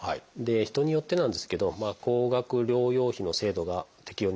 人によってなんですけど高額療養費の制度が適用になることもあります。